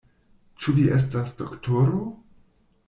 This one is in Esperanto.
Ĉu vi estas doktoro?